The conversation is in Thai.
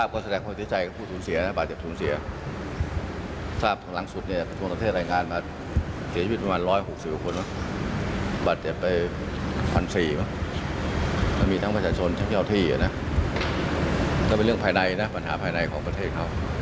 ก็เป็นเรื่องภายในนะปัญหาภายในของประเทศเขา